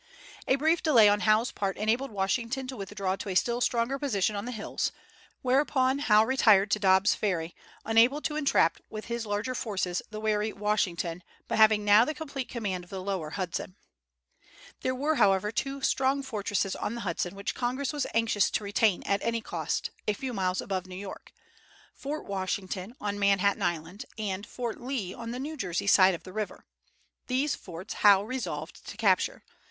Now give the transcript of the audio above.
A brief delay on Howe's part enabled Washington to withdraw to a still stronger position on the hills; whereupon Howe retired to Dobbs' Ferry, unable to entrap with his larger forces the wary Washington, but having now the complete command of the lower Hudson, There were, however, two strong fortresses on the Hudson which Congress was anxious to retain at any cost, a few miles above New York, Fort Washington, on Manhattan Island, and Fort Lee, on the New Jersey side of the river. These forts Howe resolved to capture.